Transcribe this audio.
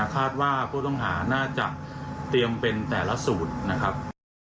คาดว่าผู้ต้องหาน่าจะเตรียมเป็นแต่ละสูตรนะครับ